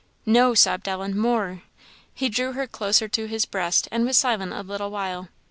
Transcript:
"No," sobbed Ellen, "more!" He drew her closer to his breast, and was silent a little while.